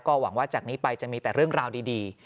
หวังว่าจากนี้ไปจะมีแต่เรื่องราวดี